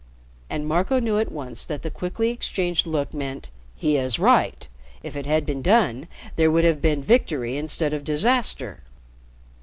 And Marco knew at once that the quickly exchanged look meant "He is right! If it had been done, there would have been victory instead of disaster!"